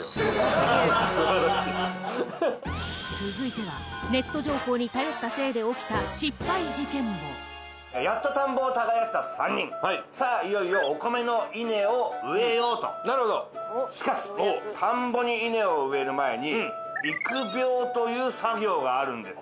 続いてはネット情報に頼ったせいで起きた失敗事件簿やっと田んぼを耕した３人さあいよいよしかし田んぼに稲を植える前に育苗という作業があるんです